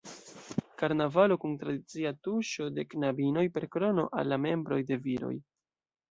Karnavalo kun tradicia tuŝo de knabinoj per korno al la "membroj" de viroj.